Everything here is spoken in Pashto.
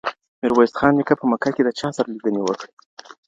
ميرويس خان نيکه په مکه کي د چا سره لیدنې وکړي؟